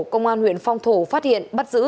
công an huyện phong thổ phát hiện bắt giữ